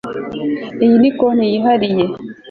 iyi ni konti yihariye